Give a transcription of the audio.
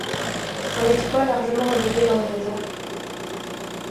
C'est un exploit largement relayé dans les médias.